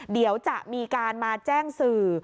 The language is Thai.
เดี๋ยวจะมีการมาแจ้งสื่อ